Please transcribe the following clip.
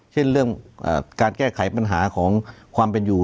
เช่นเรื่องการแก้ไขปัญหาของความเป็นอยู่